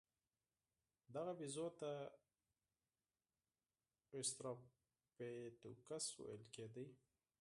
دغه بیزو ته اوسترالوپیتکوس ویل کېده.